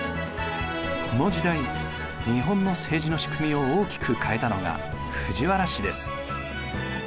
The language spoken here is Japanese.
この時代日本の政治の仕組みを大きく変えたのが藤原氏です。